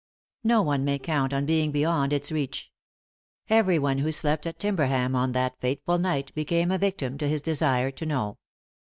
No one may count on being beyond its reach. Every one who slept at Timberbam on that fateful night became a victim to his desire to know.